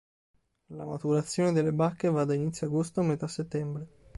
La maturazione delle bacche va da inizio agosto a metà settembre.